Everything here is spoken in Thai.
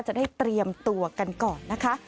จะได้เตรียมตัวกันก่อนนะคะ